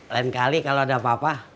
lain kali kalau ada apa apa